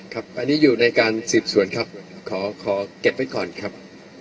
ครับอันนี้อยู่ในการสืบสวนครับขอเก็บไว้ก่อนครับ